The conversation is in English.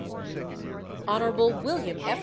HON. WM. F.